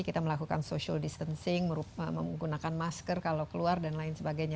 kita melakukan social distancing menggunakan masker kalau keluar dan lain sebagainya